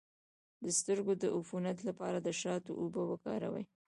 د سترګو د عفونت لپاره د شاتو اوبه وکاروئ